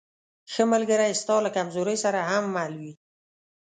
ښه ملګری ستا له کمزورۍ سره هم مل وي.